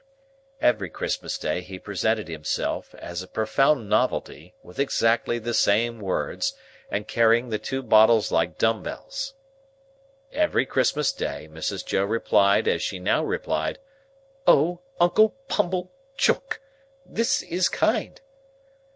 Every Christmas Day he presented himself, as a profound novelty, with exactly the same words, and carrying the two bottles like dumb bells. Every Christmas Day, Mrs. Joe replied, as she now replied, "O, Un—cle Pum ble—chook! This is kind!"